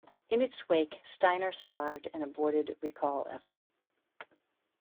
In its wake, Steiner survived an aborted recall effort.